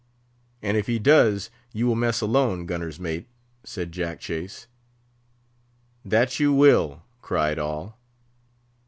"And if he does, you will mess alone, gunner's mate," said Jack Chase. "That you will," cried all.